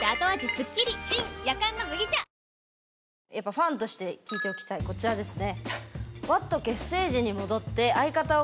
ファンとして聞いておきたいこちらですね。